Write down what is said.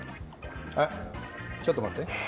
あっちょっとまって。